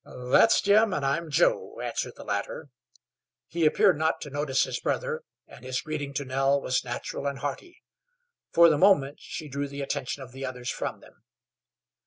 "That's Jim, and I'm Joe," answered the latter. He appeared not to notice his brother, and his greeting to Nell was natural and hearty. For the moment she drew the attention of the others from them.